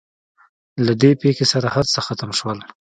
له دې پېښې سره هر څه ختم شول.